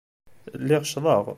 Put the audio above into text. Lliɣ ccḍeɣ.